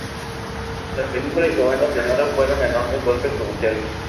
La película y su banda sonora fueron enormes golpes comerciales.